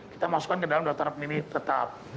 kita masukkan ke dalam daftar pemilih tetap